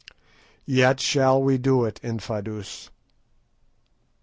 "Yet shall we do it, Infadoos."